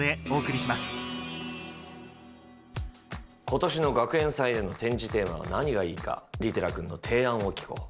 今年の学園祭での展示テーマは何がいいか利寺君の提案を聞こう。